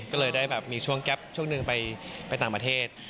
ก็เลยได้แบบมีช่วงแก๊ปช่วงหนึ่งไปต่างประเทศ